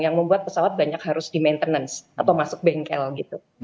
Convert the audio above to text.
yang membuat pesawat banyak harus di maintenance atau masuk bengkel gitu